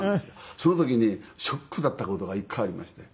その時にショックだった事が一回ありまして。